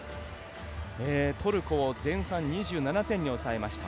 トルコを前半２７点に抑えました。